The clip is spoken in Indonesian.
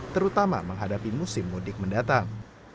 terutama menghadapi musim mudik mendatang